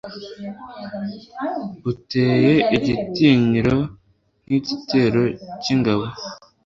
uteye igitinyiro nk'igitero cy'ingabo